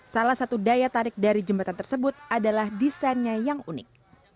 salah satu daya tarik dari jembatan tersebut adalah desainnya yang unik